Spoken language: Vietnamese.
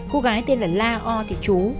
cô gái tên là la o thị chú